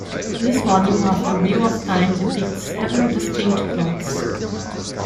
This volume of "The Wheel of Time" depicts several distinct plots.